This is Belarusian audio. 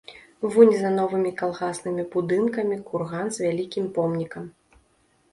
Вунь за новымі калгаснымі будынкамі курган з вялікім помнікам.